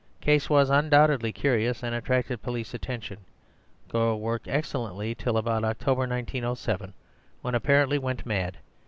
Case was undoubtedly curious, and attracted police attention. Girl worked excellently till about Oct. 1907, when apparently went mad.